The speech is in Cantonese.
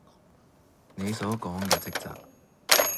你所講嘅職責